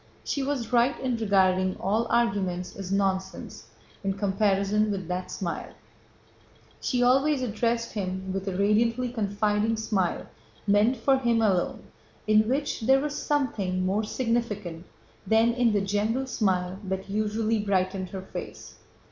She was right in regarding all arguments as nonsense in comparison with that smile. She always addressed him with a radiantly confiding smile meant for him alone, in which there was something more significant than in the general smile that usually brightened her face.